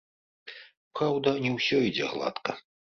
Праўда, не ўсё ідзе гладка.